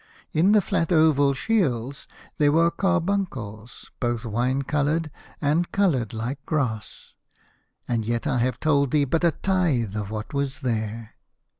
In the flat oval shields there were carbuncles, both wine coloured and coloured like grass. And yet I have told thee but a tithe of what was there.